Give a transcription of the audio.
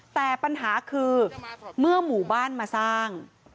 แต่ปัญหาคือเมื่อหมู่บ้านมาสร้าง